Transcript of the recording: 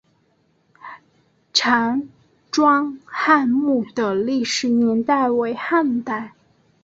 常庄汉墓的历史年代为汉代。